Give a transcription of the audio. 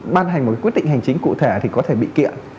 ban hành một quyết định hành chính cụ thể thì có thể bị kiện